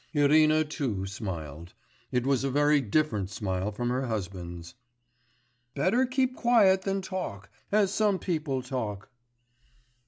Irina too smiled; it was a very different smile from her husband's. 'Better keep quiet than talk ... as some people talk.